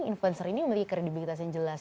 influencer ini memiliki kredibilitas yang jelas